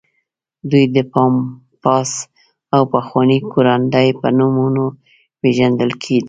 دوی د پامپاس او پخواني کوراندي په نومونو پېژندل کېدل.